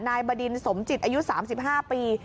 บดินสมจิตอายุ๓๕ปี